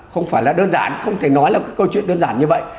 không phải là đơn giản không thể nói là cái câu chuyện đơn giản như vậy